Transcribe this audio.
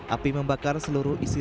api membakar seluruh istilah